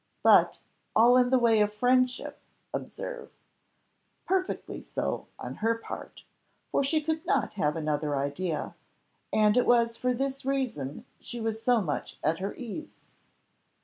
But, all in the way of friendship observe. Perfectly so on her part, for she could not have another idea, and it was for this reason she was so much at her ease.